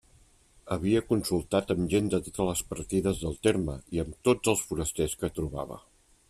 Havia consultat amb gent de totes les partides del terme i amb tots els forasters que trobava.